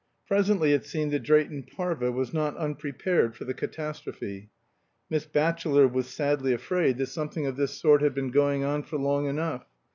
Presently it seemed that Drayton Parva was not unprepared for the catastrophe. Miss Batchelor was sadly afraid that something of this sort had been going on for long enough.